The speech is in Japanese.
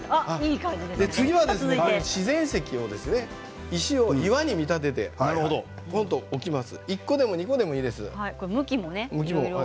次は自然石を岩に見立てていきます。